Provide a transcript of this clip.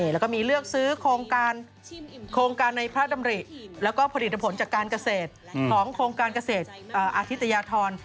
แล้วก็มีเลือกซื้อโครงการโครงการในพระดำริแล้วก็ผลิตผลจากการเกษตรของโครงการเกษตรอธิตยาธร